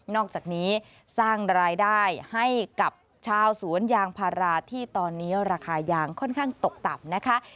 อกจากนี้สร้างรายได้ให้กับชาวสวนยางพาราที่ตอนนี้ราคายางค่อนข้างตกต่ำนะคะ